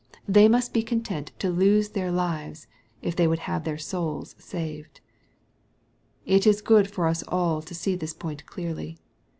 They must be content to " lose their lives," if they would have their souls saved. It is good for us all to see this point clearly.